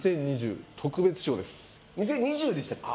２０２０でしたっけ？